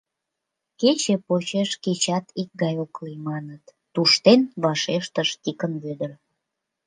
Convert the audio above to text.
— Кече почеш кечат икгай ок лий, маныт, — туштен вашештыш Тикын Вӧдыр.